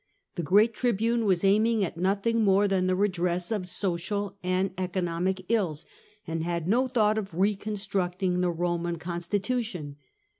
The great tribune was aiming at nothing more than the redress of social and economic evils, and had no thought of re constructing the Eoman constitution.